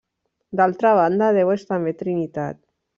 D'altra banda, Déu és també Trinitat.